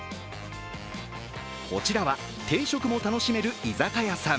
こちらは、定食も楽しめる居酒屋さん。